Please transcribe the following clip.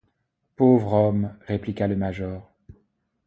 Pauvre homme! répliqua le major.